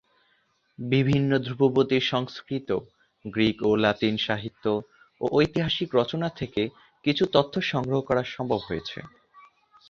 বিভিন্ন ধ্রুপদী সংস্কৃত, গ্রিক ও লাতিন সাহিত্য ও ঐতিহাসিক রচনা থেকে কিছু তথ্য সংগ্রহ করা সম্ভব হয়েছে।